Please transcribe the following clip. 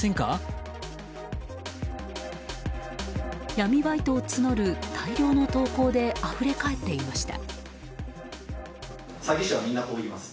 闇バイトを募る大量の投稿であふれかえっていました。